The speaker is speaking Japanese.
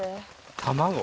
卵？